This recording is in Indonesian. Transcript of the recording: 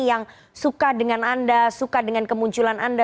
yang suka dengan anda suka dengan kemunculan anda